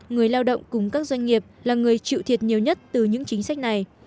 người lao động cùng các doanh nghiệp là người chịu thiệt nhiều nhất từ những chính sách này